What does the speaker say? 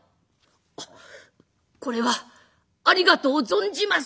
「あっこれはありがとう存じます」。